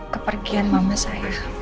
kepergian mama saya